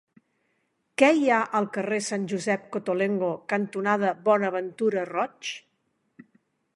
Què hi ha al carrer Sant Josep Cottolengo cantonada Bonaventura Roig?